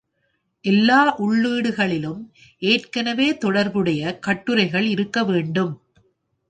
எல்லா உள்ளீடுகளிலும் ஏற்கனவே தொடர்புடைய கட்டுரைகள் இருக்க வேண்டும்.